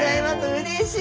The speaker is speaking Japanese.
うれしい！